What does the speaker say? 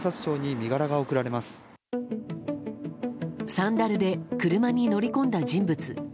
サンダルで車に乗り込んだ人物。